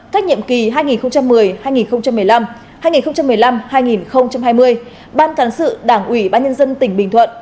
các nhiệm kỳ hai nghìn một mươi hai nghìn một mươi năm hai nghìn một mươi năm hai nghìn hai mươi ban cán sự đảng ủy ban nhân dân tỉnh bình thuận